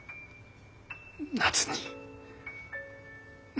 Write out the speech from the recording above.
夏に。